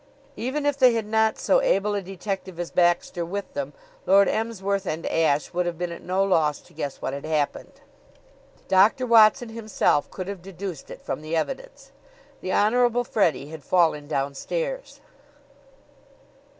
Even if they had not so able a detective as Baxter with them, Lord Emsworth and Ashe would have been at no loss to guess what had happened. Doctor Watson himself could have deduced it from the evidence. The Honorable Freddie had fallen downstairs.